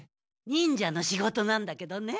忍者の仕事なんだけどね。